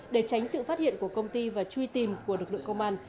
để tránh sự phát hiện của công ty và truy tìm của lực lượng công an